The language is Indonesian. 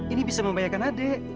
ini bisa membayangkan ade